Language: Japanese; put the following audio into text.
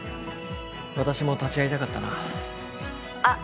私も立ち合いたかったな☎あっ